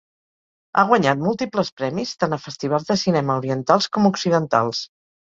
Ha guanyat múltiples premis tant a festivals de cinema orientals com occidentals.